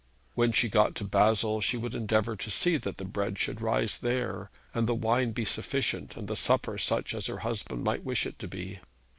When she got to Basle she would endeavour to see that the bread should rise there, and the wine be sufficient, and the supper such as her husband might wish it to be.